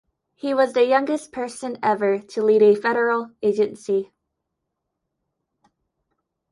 He was the youngest person ever to lead a federal agency.